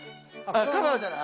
カバーじゃない？